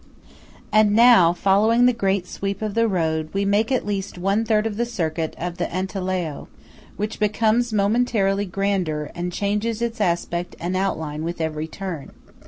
And now, following the great sweep of the road, we make at least one third of the circuit of the Antelao, which becomes momentarily grander, and changes its aspect and outline with every turn.